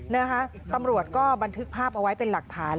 นะคะตำรวจก็บันทึกภาพเอาไว้เป็นหลักฐาน